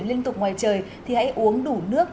liên tục ngoài trời thì hãy uống đủ nước